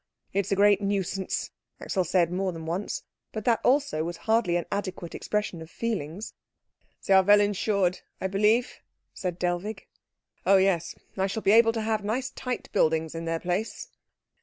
"It is a great nuisance," Axel said more than once; but that also was hardly an adequate expression of feelings. "They are well insured, I believe?" said Dellwig. "Oh yes. I shall be able to have nice tight buildings in their place."